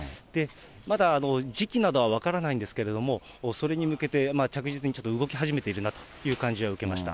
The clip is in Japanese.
まだ時期などは分からないんですけれども、それに向けて着実にちょっと動き始めているなという感じは受けま